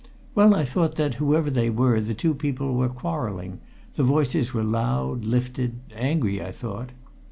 "Well, I thought that, whoever they were, the two people were quarrelling the voices were loud, lifted, angry, I thought."